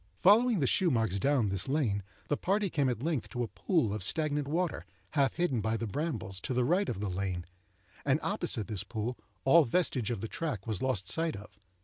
Following the shoe marks down this lane, the party came at length to a pool of stagnant water, half hidden by the brambles, to the right of the lane, and opposite this pool all vestige of the track was lost sight of.